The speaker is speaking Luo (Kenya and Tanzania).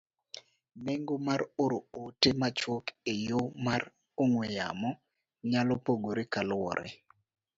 Nengo mar oro ote machuok e yo mar ong'we yamo nyalo pogore kaluwore